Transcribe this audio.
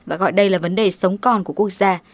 và gọi đây là vấn đề sống còn của quốc gia